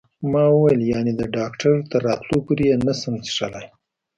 ما وویل: یعنې د ډاکټر تر راتلو پورې یې نه شم څښلای؟